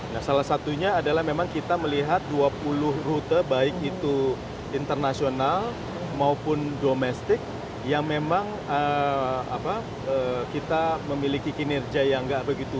nah salah satunya adalah memang kita melihat dua puluh rute baik itu internasional maupun domestik yang memang kita memiliki kinerja yang nggak begitu